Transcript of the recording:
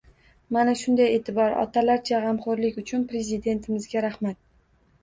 Mana shunday eʼtibor, otalarcha gʻamxoʻrlik uchun Prezidentimizga rahmat.